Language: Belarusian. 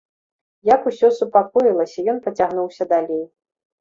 Як усё супакоілася, ён пацягнуўся далей.